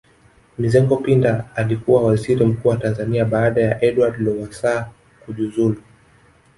Mizengo Pinda alikuwa Waziri Mkuu wa Tanzania baada ya Edward Lowassa kujuzulu